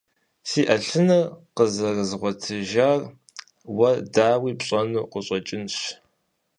Сэ Ӏэлъыныр къызэрызгъуэтыжар уэ, дауи, пщӀэуэ къыщӀэкӀынщ.